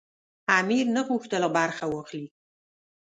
امیر نه غوښتل برخه واخلي.